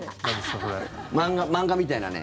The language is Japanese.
漫画みたいなね。